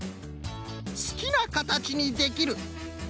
「すきなかたちにできる」。